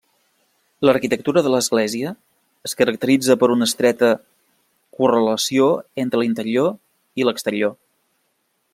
L'arquitectura de l'església es caracteritza per una estreta correlació entre l'interior i l'exterior.